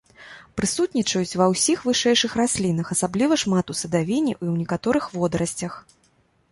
Прысутнічаюць ва ўсіх вышэйшых раслінах, асабліва шмат у садавіне і ў некаторых водарасцях.